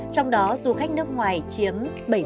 trong đó du khách nước ngoài chiếm bảy mươi